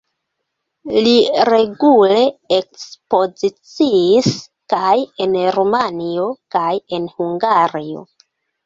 Li regule ekspoziciis kaj en Rumanio kaj en Hungario.